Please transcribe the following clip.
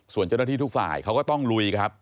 ส่วนเจ้าหน้าที่ทุกฝ่ายเขาก็ต้องลุยครับ